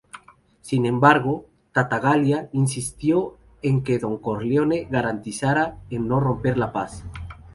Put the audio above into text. Sin embargo, Tattaglia insistió en que Don Corleone garantizara en no romper la paz.